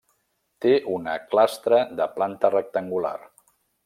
Té una clastra de planta rectangular.